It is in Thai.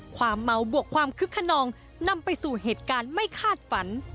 ความเมาบวกความคึกขนองนำไปสู่เหตุการณ์ไม่คาดฝัน